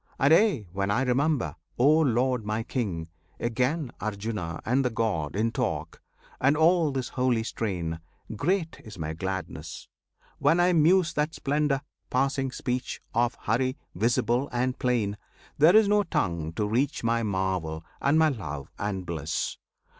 And aye, when I remember, O Lord my King, again Arjuna and the God in talk, and all this holy strain, Great is my gladness: when I muse that splendour, passing speech, Of Hari, visible and plain, there is no tongue to reach My marvel and my love and bliss.